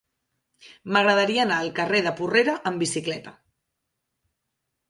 M'agradaria anar al carrer de Porrera amb bicicleta.